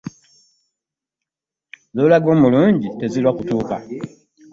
Zoolaga omulungi tezirwa kutuuka.